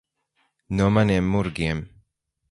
No maniem murgiem.